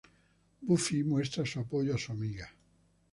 Buffy muestra su apoyo a su amiga.